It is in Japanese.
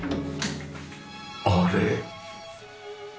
あれ？